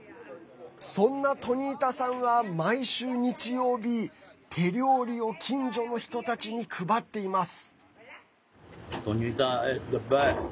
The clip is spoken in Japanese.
そんなトニータさんは毎週日曜日手料理を近所の人たちに配っています。